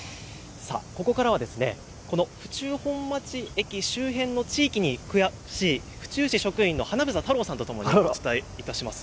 ここからは府中本町駅周辺の地域に詳しい府中市職員の英太郎さんとお伝えします。